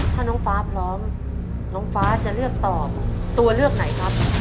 ถ้าน้องฟ้าพร้อมน้องฟ้าจะเลือกตอบตัวเลือกไหนครับ